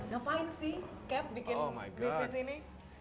gapain sih kev bikin bisnis ini